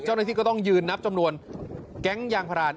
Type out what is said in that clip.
เจ้าหน้าที่ก็ต้องยืนนับจำนวนแก๊งยางพราน